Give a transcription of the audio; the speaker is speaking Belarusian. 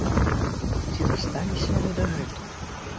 Ці засталіся яны дагэтуль?